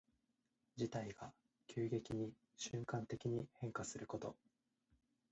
事態が急激に瞬間的に変化すること。